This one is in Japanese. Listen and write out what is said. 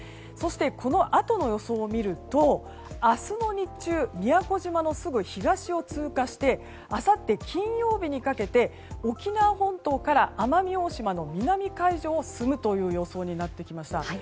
このあとの予想を見ると明日の日中宮古島のすぐ東を通過してあさって金曜日にかけて沖縄本島から奄美大島の南海上を進むという予想になってきました。